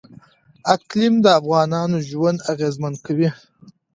اقلیم د افغانانو ژوند اغېزمن کوي.